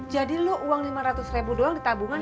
jadi lo uang lima ratus ribu doang ditabungan